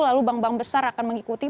lalu bank bank besar akan mengikuti